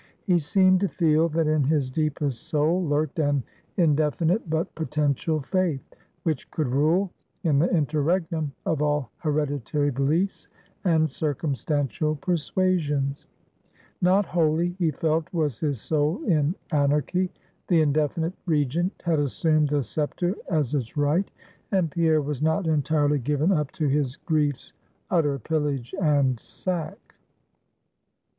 He seemed to feel that in his deepest soul, lurked an indefinite but potential faith, which could rule in the interregnum of all hereditary beliefs, and circumstantial persuasions; not wholly, he felt, was his soul in anarchy. The indefinite regent had assumed the scepter as its right; and Pierre was not entirely given up to his grief's utter pillage and sack.